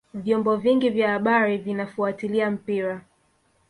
vyombo vingi vya habari vinafuatilia mpira